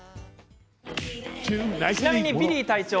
ちなみにビリー隊長